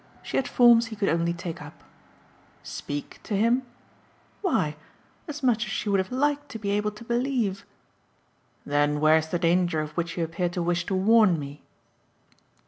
She had forms he could only take up. "'Speak' to him ?" "Why as much as she would have liked to be able to believe." "Then where's the danger of which you appear to wish to warn me?"